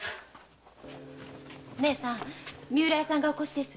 ねえさん三浦屋さんがお越しです。